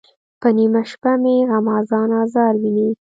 پر نیمه شپه مې غمازان آزار ویني.